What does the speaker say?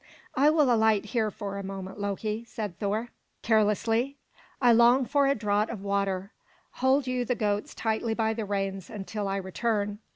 "I will alight here for a moment, Loki," said Thor carelessly. "I long for a draught of water. Hold you the goats tightly by the reins until I return."